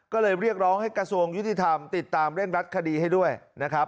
ก็เลยเรียกร้องให้กระทรวงยุติธรรมติดตามเร่งรัดคดีให้ด้วยนะครับ